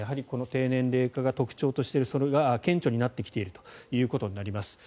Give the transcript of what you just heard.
この低年齢化が特徴としてそれが顕著になってきているということになります。